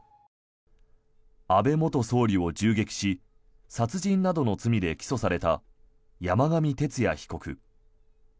安倍元総理を銃撃し殺人などの罪で起訴された山上徹也被告。